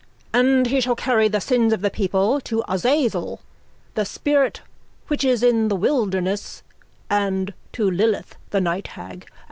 _ And he shall carry the sins of the people to Azazel, the spirit which is in the wilderness, and to Lilith, the nighthag.